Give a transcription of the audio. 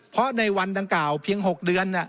เพราะในวันดังกล่าวเพียง๖เดือน